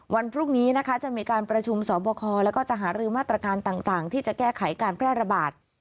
วันพรุ่งนี้นะคะจะมีการประชุมสอบคอแล้วก็จะหารือมาตรการต่างที่จะแก้ไขการแพร่ระบาด